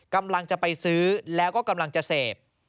กำลังจะไปซื้อแล้วก็กำลังจะเสพ